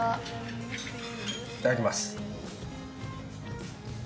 いただきます。